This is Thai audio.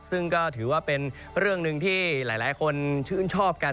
ซึ่งก็ถือว่าเป็นเรื่องหนึ่งที่หลายคนชื่นชอบกัน